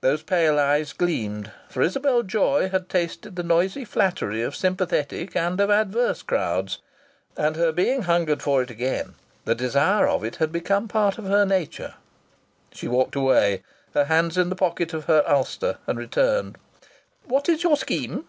Those pale eyes gleamed; for Isabel Joy had tasted the noisy flattery of sympathetic and of adverse crowds, and her being hungered for it again; the desire of it had become part of her nature. She walked away, her hands in the pockets of her ulster, and returned. "What is your scheme?"